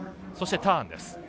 そしてターンです。